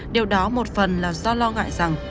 điều đó một phần là do lo ngại rằng